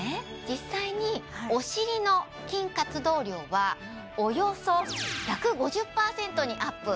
実際にお尻の筋活動量はおよそ１５０％にアップ